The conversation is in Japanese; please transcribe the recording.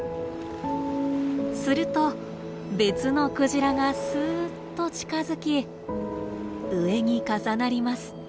すると別のクジラがすっと近づき上に重なります。